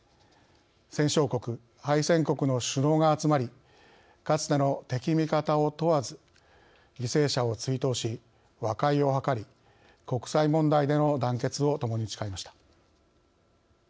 戦勝国、敗戦国の首脳が集まりかつての敵味方を問わず犠牲者を追悼し、和解を図り国際問題での団結をともに誓いました。